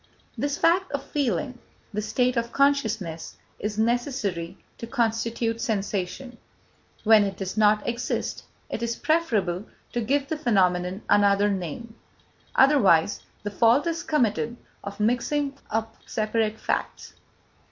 This fact of feeling, this state of consciousness, is necessary to constitute sensation; when it does not exist, it is preferable to give the phenomenon another name, otherwise the fault is committed of mixing up separate facts.